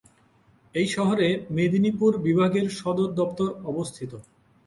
এই শহরে মেদিনীপুর বিভাগের সদর দপ্তর অবস্থিত।